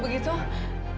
itu anak yang jahat